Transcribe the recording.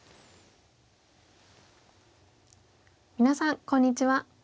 皆さんこんにちは。